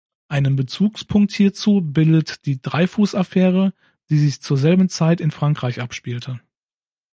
Einen Bezugspunkt hierzu bildet die Dreyfus-Affäre, die sich zur selben Zeit in Frankreich abspielte.